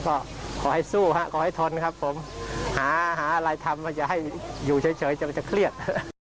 ก็ขอให้สู้ฮะขอให้ทนครับผมหาอะไรทำอยู่เฉยจะเครียด